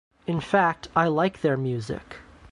In fact, I like their music.